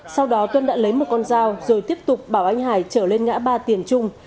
sau đó tuân đã lấy một con dao rồi tiếp tục bảo anh hải trở lên ngã ba tiền trung